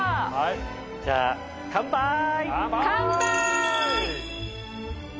じゃあカンパイ！